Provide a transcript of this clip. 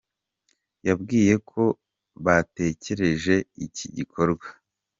yabwiye ko batekereje iki gikorwa.